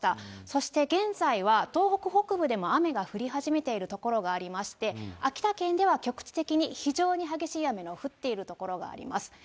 そして、現在は東北北部でも雨が降り始めている所がありまして、秋田県では局地的に非常に激しい雨が降っている所があります。